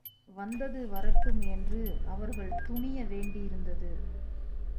வந்தது வரட்டும் என்று அவர்கள் துணிய வேண்டியிருந்தது.